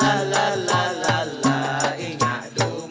ฮรีรายโยแท่เดิมบินแบบสาอิงหาดูหมอ